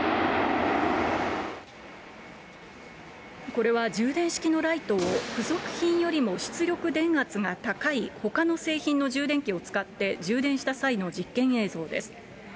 これは充電式のライトを付属品よりも出力電圧が高いほかの製品の充電器を使って充電した際の実験映像です。